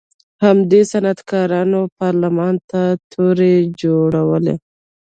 همدې صنعتکارانو پارلمان ته تورې جوړولې.